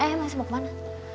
eh mas mau kemana